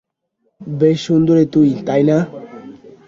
বেশ সুন্দরী তুই, তাই না?